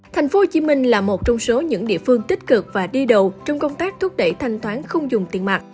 thành phố hồ chí minh là một trong số những địa phương tích cực và đi đầu trong công tác thúc đẩy thanh toán không dùng tiền mặt